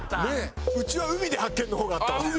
うちは「海で発見！！」の方があったわ。